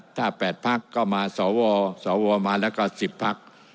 ถ้า๘พักก็มาสวสวมาแล้วก็๑๐พัก